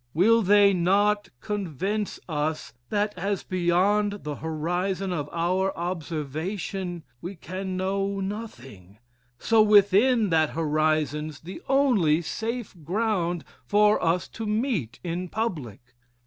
Will they not convince us that as beyond the horizon of our observation we can know nothing, so within that horizon's the only safe ground for us to meet in public?...